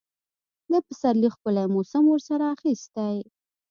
د پسرلي ښکلي موسم ورسره اخیستی.